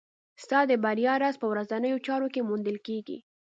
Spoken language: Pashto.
ستا د بریا راز په ورځنیو چارو کې موندل کېږي.